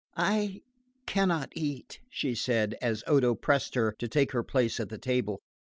"I cannot eat," she said, as Odo pressed her to take her place at the table.